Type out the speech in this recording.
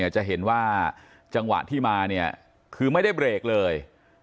จะเห็นว่าจังหวะที่มาเนี่ยคือไม่ได้เบรกเลย